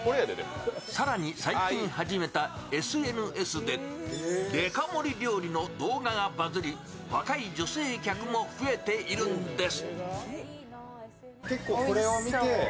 更に最近始めたＳＮＳでデカ盛り料理の動画がバズり若い女性客も増えているんです。